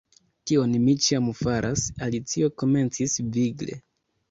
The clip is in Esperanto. "Tion mi ĉiam faras," Alicio komencis vigle.